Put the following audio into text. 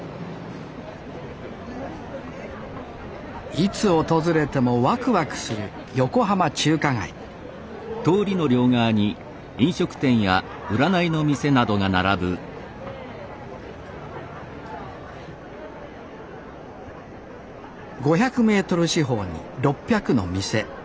いつ訪れてもわくわくする横浜中華街５００ｍ四方に６００の店。